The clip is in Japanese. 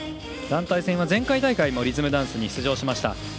団体戦は前回大会もリズムダンスに出場しました。